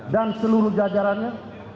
dan seluruh jajarannya